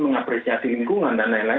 mengapresiasi lingkungan dan lain lain